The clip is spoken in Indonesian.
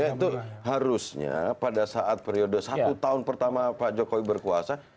ya itu harusnya pada saat periode satu tahun pertama pak jokowi berkuasa